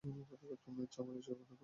চুরি চামারি, যাইবোনা তোমার।